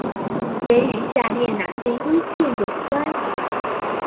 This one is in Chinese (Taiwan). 也與下列那些因素有關？